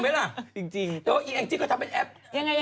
แล้วแอ้งจิตก็ทำเป็นแอป